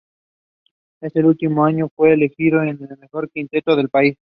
En su último año fue elegido en el mejor quinteto del país.